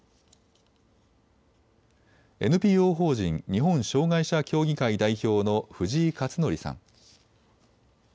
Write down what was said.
ＮＰＯ法人日本障害者協議会代表の藤井克徳さん。